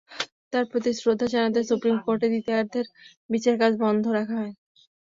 তাঁর প্রতি শ্রদ্ধা জানাতে সুপ্রিম কোর্টে দ্বিতীয়ার্ধের বিচারকাজ বন্ধ রাখা হয়।